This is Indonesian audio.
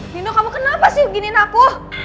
nino kamu kenapa sih beginiin aku